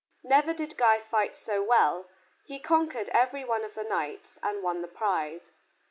Never did Guy fight so well; he conquered every one of the knights, and won the prize.